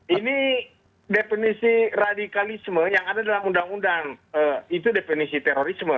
ini definisi radikalisme yang ada dalam undang undang itu definisi terorisme